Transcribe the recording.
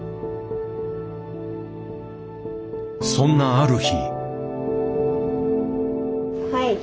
そんなある日。